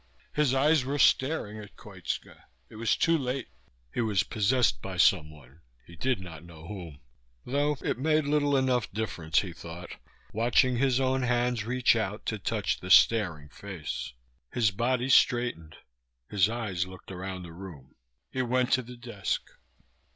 His eyes were staring at Koitska. It was too late. He was possessed by someone, he did not know whom. Though it made little enough difference, he thought, watching his own hands reach out to touch the staring face. His body straightened, his eyes looked around the room, he went to the desk.